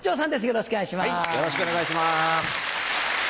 よろしくお願いします。